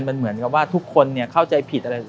มันเหมือนกับว่าทุกคนเข้าใจผิดอะไร